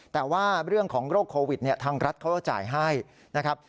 แต่ว่าเรื่องของโรคโควิดทางรัฐเขาก็จ่ายให้นะครับ